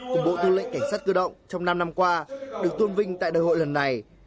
của bộ tư lệnh cảnh sát cơ động trong năm năm qua được tôn vinh tại đại hội lần này